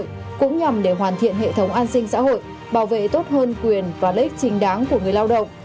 cũng nhằm để hoàn thiện hệ thống an sinh xã hội bảo vệ tốt hơn quyền và lợi ích chính đáng của người lao động